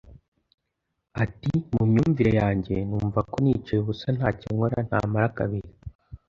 Ati “Mu myumvire yanjye numva ko nicaye ubusa ntacyo nkora ntamara kabiri